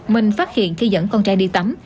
mình phát hiện khi dẫn con trăng đi tắm